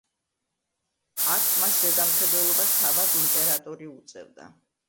აქ მას ზედამხედველობას თავად იმპერატორი უწევდა.